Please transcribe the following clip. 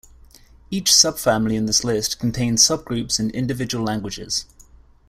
Each subfamily in this list contains subgroups and individual languages.